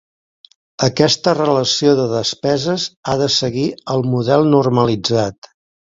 Aquesta relació de despeses ha de seguir el model normalitzat.